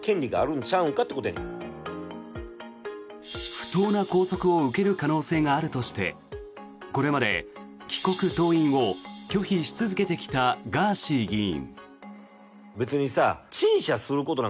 不当な拘束を受ける可能性があるとしてこれまで帰国・登院を拒否し続けてきたガーシー議員。